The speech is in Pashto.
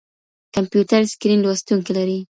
کمپيوټر سکرين لوستونکي لري.